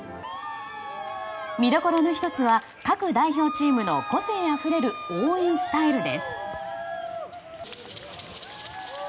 見どころの１つは各代表チームの個性あふれる応援スタイルです。